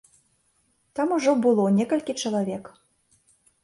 Там ужо было некалькі чалавек.